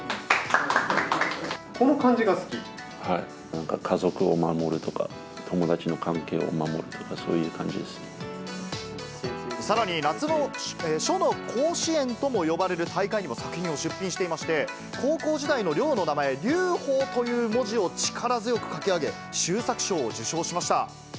なんか家族を守るとか、友達の関係を守るとか、さらに、夏の書の甲子園とも呼ばれる大会にも作品を出品していまして、高校時代の寮の名前、龍鳳という文字を力強く書き上げ、秀作賞を受賞しました。